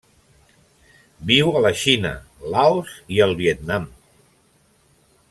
Viu a la Xina, Laos i el Vietnam.